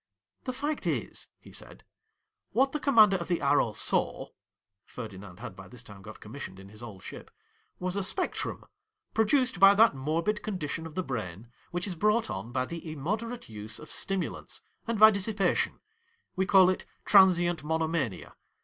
' The fact is,' he said, ' what the commander of the " Arrow " saw (Ferdinand had by this time got commissioned in his old ship) was a spectrum, produced by that morbid condition of the brain, which is brought on by the im moderate use of stimulants, and by dissipa tion; we call it Transient Monomania.